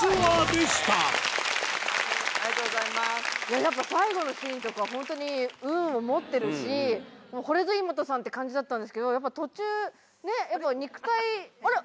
やっぱ最後のシーンとか本当に運を持ってるしこれぞイモトさんって感じだったんですけど途中ね肉体あれ？